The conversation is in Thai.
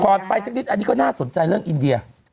ไปสักนิดอันนี้ก็น่าสนใจเรื่องอินเดีย